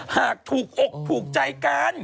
หากถูกอกถูกใจกัน